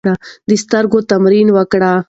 د سترګو تمرین وکړئ.